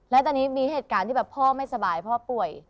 และตอนนี้มีเหตุการณ์ที่แบบพ่อไม่สบายพ่อป่วย